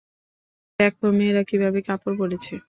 দেখ মেয়েরা কিভাবে কাপড় পরেছে।